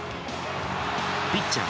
ピッチャー